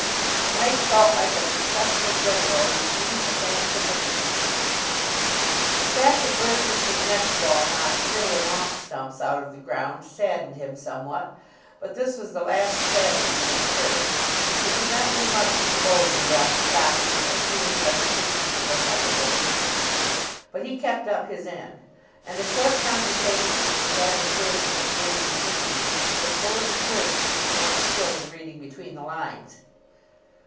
Mike felt like a successful general receiving the thanks of the nation. The fact that Burgess's next ball knocked middle and off stumps out of the ground saddened him somewhat; but this was the last tragedy that occurred. He could not do much with the bowling beyond stopping it and feeling repetitions of the thunderbolt experience, but he kept up his end; and a short conversation which he had with Burgess at the end of his innings was full of encouragement to one skilled in reading between the lines.